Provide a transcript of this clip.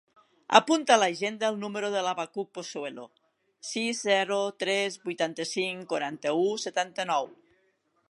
Apunta a l'agenda el número de l'Habacuc Pozuelo: sis, zero, tres, vuitanta-cinc, quaranta-u, setanta-nou.